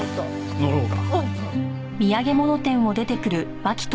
乗ろうか。